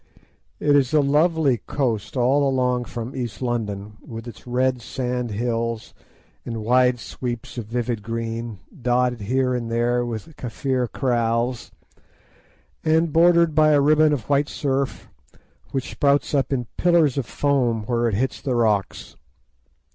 It is a lovely coast all along from East London, with its red sandhills and wide sweeps of vivid green, dotted here and there with Kafir kraals, and bordered by a ribbon of white surf, which spouts up in pillars of foam where it hits the rocks.